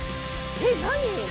えっ何？